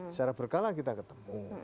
secara berkala kita ketemu